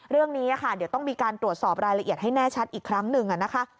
เรื่องนี้ค่ะเดี๋ยวต้องมีการตรวจสอบรายละเอียดให้แน่ชัดอีกครั้งหนึ่งนะคะ